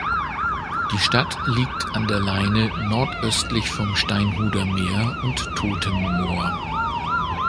Die Stadt liegt an der Leine nordöstlich von Steinhuder Meer und Totem Moor.